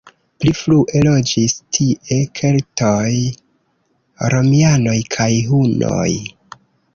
Pli frue loĝis tie keltoj, romianoj kaj hunoj.